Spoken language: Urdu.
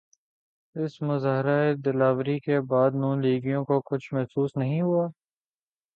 اس مظاہرہ دلاوری کے بعد نون لیگیوں کو کچھ محسوس نہیں ہوا؟